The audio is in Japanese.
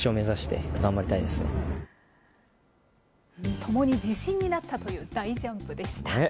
ともに自信になったという大ジャンプでした。